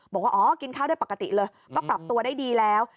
บอกว่าอ๋อกินข้าวได้ปกติเลยก็ปรับตัวได้ดีแล้ว